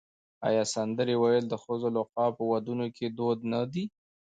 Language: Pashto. آیا سندرې ویل د ښځو لخوا په ودونو کې دود نه دی؟